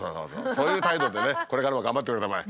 そういう態度でねこれからも頑張ってくれたまえ。